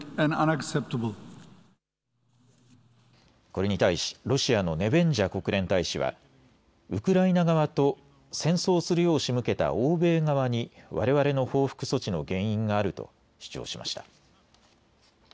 これに対しロシアのネベンジャ国連大使はウクライナ側と戦争するようしむけた欧米側にわれわれの報復措置の原因があると主張しました。